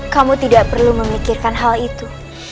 kamu tidak perlu memikirkan hal itu